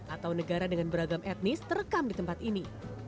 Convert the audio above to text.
atau negara dengan beragam etnis terekam di tempat ini